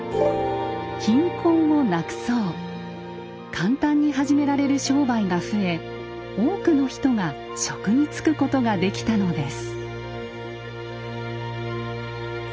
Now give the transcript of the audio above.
簡単に始められる商売が増え多くの人が職に就くことができたのです。